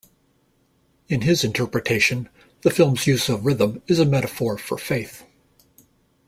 In his interpretation, the film's use of rhythm is a metaphor for faith.